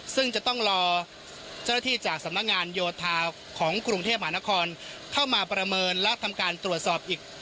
ซึ่งจะต้องรอเจ้าหน้าที่จากสำนักงานโยธาของกรุงเทพมหานครเข้ามาประเมินและทำการตรวจสอบอีก